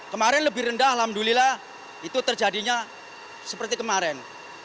kemarin lebih rendah alhamdulillah itu terjadinya seperti kemarin